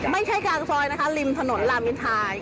ไม่ใช่กลางซอยนะคะริมถนนลามินทาย